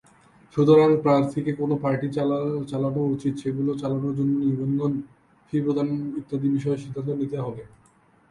সুতরাং, প্রার্থীকে কোন পার্টি চালানো উচিত, সেগুলি চালানোর জন্য নিবন্ধন, ফি প্রদান ইত্যাদি বিষয়ে সিদ্ধান্ত নিতে হবে।